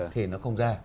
thì nó không ra